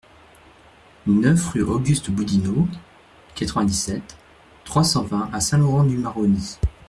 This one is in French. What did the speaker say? neuf rue Auguste Boudinot, quatre-vingt-dix-sept, trois cent vingt à Saint-Laurent-du-Maroni